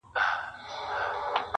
راته زړه ويل چي وځغله پټېږه؛